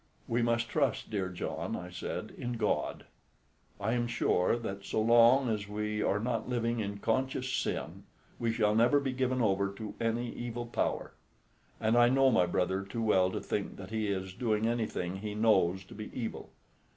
"We must trust, dear John," I said, "in God. I am sure that so long as we are not living in conscious sin, we shall never be given over to any evil power; and I know my brother too well to think that he is doing anything he knows to be evil.